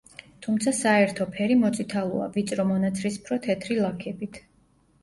თუმცა საერთო ფერი მოწითალოა, ვიწრო მონაცრისფრო-თეთრი ლაქებით.